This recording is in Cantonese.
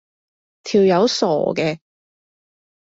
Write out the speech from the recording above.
條友傻嘅